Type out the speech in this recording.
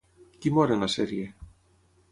Qui mor en la sèrie?